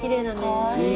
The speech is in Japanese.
かわいい！